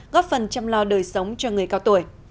góp phần chăm lo đời sống cho người cao tuổi